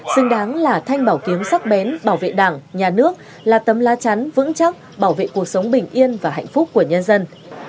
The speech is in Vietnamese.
xứng đáng là thanh bảo kiếm sắc bén bảo vệ đảng nhà nước là tấm lá chắn vững chắc bảo vệ cuộc sống bình yên và hạnh phúc của nhân dân